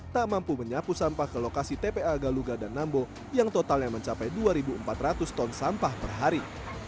tak mampu menyapu sampah ke lokasi tpa galuga dan nambo yang totalnya mencapai dua empat ratus ton sampah per hari